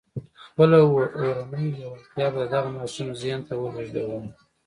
خپله اورنۍ لېوالتیا به د دغه ماشوم ذهن ته ولېږدوم.